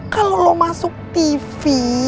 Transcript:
kalau lo masuk tv